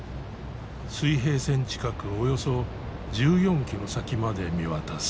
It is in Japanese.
水平線近くおよそ１４キロ先まで見渡す。